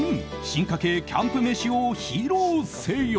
進化系キャンプ飯を披露せよ。